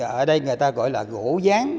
ở đây người ta gọi là gỗ gián